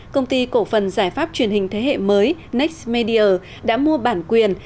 công ty cổ phần giải pháp truyền hình thế hệ mới nextmedia đã mua bản quyền